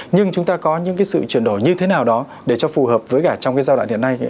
nhưng chúng ta có những cái sự chuyển đổi như thế nào đó để cho phù hợp với cả trong cái giai đoạn hiện nay